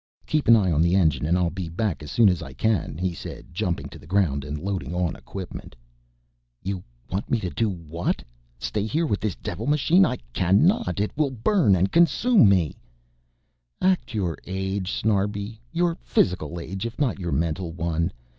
"Keep an eye on the engine and I'll be back as soon as I can," he said, jumping to the ground and loading on equipment. "You want me to do what? Stay here with this devil machine? I cannot! It will burn and consume me " "Act your age, Snarbi, your physical age if not your mental one.